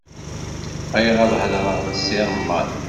Bɣiɣ ad hedṛeɣ d Si Remḍan.